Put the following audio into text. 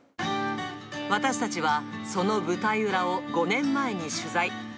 私たちは、その舞台裏を５年前に取材。